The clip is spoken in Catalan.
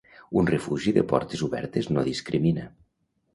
Un refugi de portes obertes no discrimina.